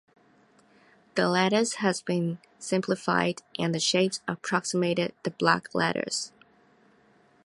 The letters has been simplified and the shapes approximated the block letters.